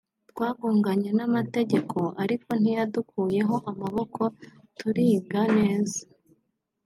twagoganye n’amategeko ariko ntiyadukuyeho amaboko turiga neza